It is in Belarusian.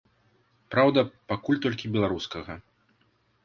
Праўда, пакуль толькі беларускага.